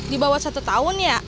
di bawah satu tahun ya